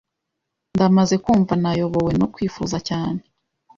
Ndamaze kumva nayobowe no kwifuza cyane